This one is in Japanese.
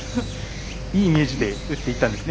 いいイメージで打っていったんですね。